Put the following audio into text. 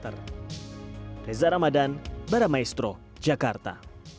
reza ramadan baramaestro jakarta